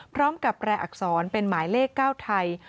พร้อมกับแปรอักษรเป็นหมายเลข๙ไทย